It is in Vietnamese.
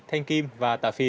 thanh kim và tà phi